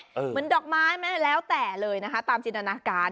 เหมือนดอกไม้ไหมแล้วแต่เลยนะคะตามจินตนาการ